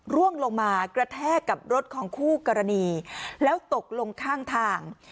ร่วงลงมากระแทกกับรถของคู่กรณีแล้วตกลงข้างทาง